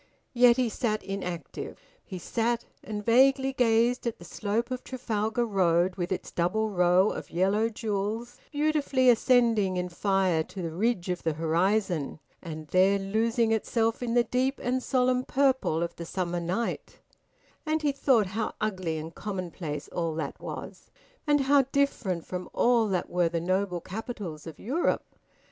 Yet he sat inactive. He sat and vaguely gazed at the slope of Trafalgar Road with its double row of yellow jewels, beautifully ascending in fire to the ridge of the horizon and there losing itself in the deep and solemn purple of the summer night; and he thought how ugly and commonplace all that was, and how different from all that were the noble capitals of Europe.